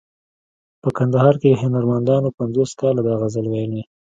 په کندهار کې هنرمندانو پنځوس کاله دا غزل ویلی.